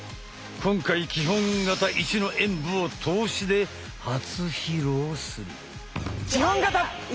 今回基本形１の演武を通しで初披露する！